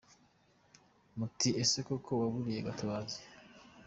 Muti ese koko waburiye Gatabazi ?